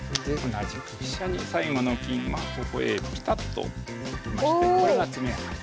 同じく飛車に最後の金はここへピタッときましてこれが詰め上がり。